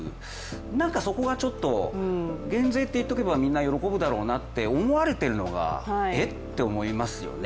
なんかそこがちょっと減税と言っておけばみんな喜ぶだろうなと思われているのがえって思いますよね、